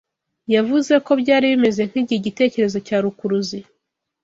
yavuze ko byari bimeze nkigihe igitekerezo cya rukuruzi